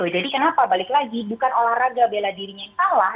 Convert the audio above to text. jadi kenapa balik lagi bukan olahraga bela dirinya yang salah